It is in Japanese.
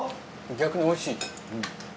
逆においしい。